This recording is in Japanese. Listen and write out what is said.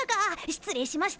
失礼しました！